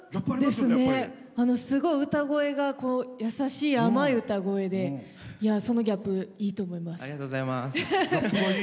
すごい歌声が優しい甘い歌声で、そのギャップいいと思います。